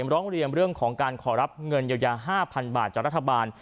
ร้องเรียนเรื่องของการขอรับเงินเยียวยา๕๐๐๐บาทจากรัฐบาล